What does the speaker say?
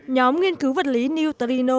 nhóm nghiên cứu vật lý neutrino